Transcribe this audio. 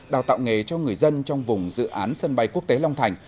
đào tạo nghề cho người dân trong vùng dự án sân bay quốc tế long thành